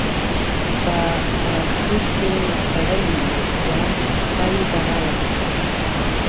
په پراشوټ کې تړلې وه، ښایي دغه وسلې.